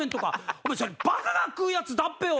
お前それバカが食うやつだっぺよ！